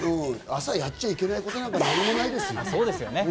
朝、やっちゃいけないことなんて何もないですよ。